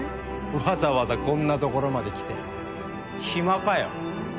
わざわざこんな所まで来て暇かよ